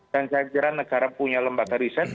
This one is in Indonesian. dan saya kira negara punya lembaga riset